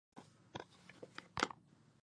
듣는 귀와 보는 눈은 다 여호와의 지으신 것이니라